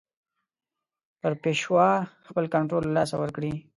پر پېشوا خپل کنټرول له لاسه ورکړي.